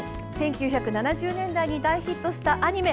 １９７０年代に大ヒットしたアニメ。